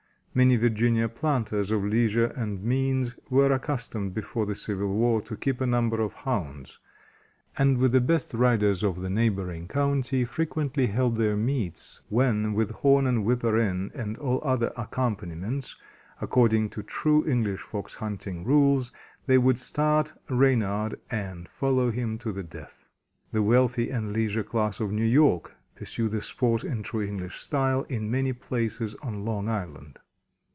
Many Virginia planters of leisure and means were accustomed before the Civil War to keep a number of Hounds, and with the best riders of the neighboring county, frequently held their "meets," when, with horn and whipper in, and all other accompaniments, according to true English Fox hunting rules, they would start Reynard and follow him to the death. The wealthy and leisure class of New York pursue the sport in true English style in many places on Long Island.